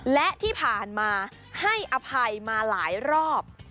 และที่ผ่านมาให้อภัยมาหลายรอบ